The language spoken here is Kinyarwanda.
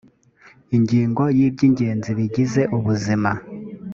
ingingo ya iby ingenzi bigize ubuzima